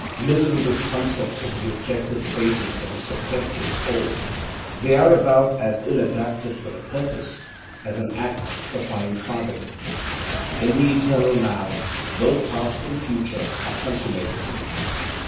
Miserable concepts of the objective phases of the subjective whole, they are about as ill adapted for the purpose, as an axe for fine carving." In the eternal Now, both past and future are consummated.